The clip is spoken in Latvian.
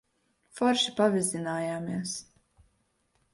Forši pavizinājāmies.